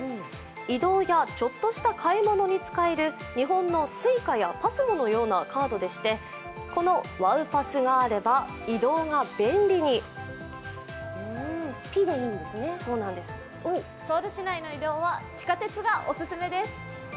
移動やちょっとした買い物に使える、日本のＳｕｉｃａやＰＡＳＭＯのようでして、このＷＯＷＰＡＳＳがあれば移動が便利にソウル市内の移動は地下鉄がオススメです。